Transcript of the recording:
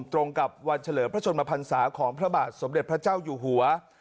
ตรงกับวันเฉลิมพระชนมพันศาของพระบาทสมเด็จพระเจ้าอยู่หัว